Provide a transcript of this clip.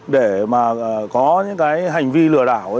để mà có những cái hành vi lừa đảo